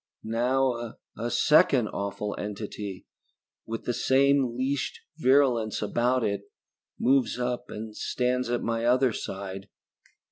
Now a second awful entity, with the same leashed virulence about it, moves up and stands at my other side.